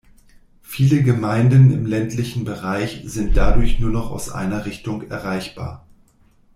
Viele Gemeinden im ländlichen Bereich sind dadurch nur noch aus einer Richtung erreichbar.